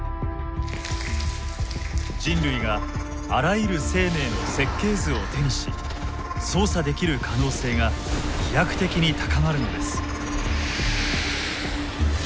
人類があらゆる生命の設計図を手にし操作できる可能性が飛躍的に高まるのです。